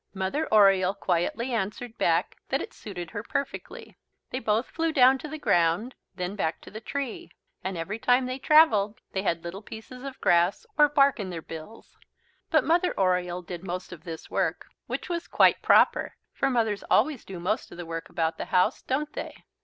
Mother Oriole quietly answered back that it suited her perfectly. They both flew down to the ground, then back to the tree. And every time they travelled they had little pieces of grass or bark in their bills. But Mother Oriole did most of this work, which was quite proper, for mothers always do most of the work about the house, don't they?